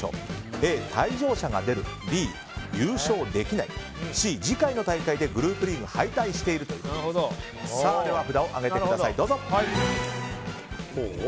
Ａ、退場者が出るＢ、優勝できないＣ、次の大会でグループリーグ敗退しているということですがでは札を上げてください。